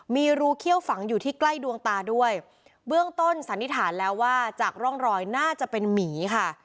มีรูเขี้ยวฝังอยู่ที่ใกล้ดวงตาด้วยเบื้องต้นสันนิษฐานแล้วว่าจากร่องรอยน่าจะเป็นหมีค่ะ